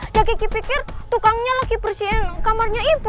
ya kiki pikir tukangnya lagi bersihin kamarnya ibu